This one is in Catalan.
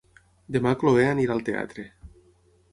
Demà na Chloé anirà al teatre.